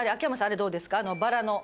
あれどうですか？